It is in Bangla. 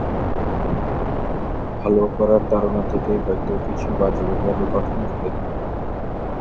ভালো করার তাড়না থেকেই হয়তো কিছু বাজে ব্যবহারের ঘটনা ঘটে থাকবে।